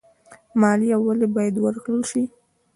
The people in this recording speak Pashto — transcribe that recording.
مالیه ولې باید ورکړل شي؟